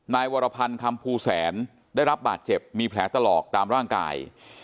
นายวรพันธ์คำภูแสนได้รับบาดเจ็บมีแผลตลอดตามร่างกาย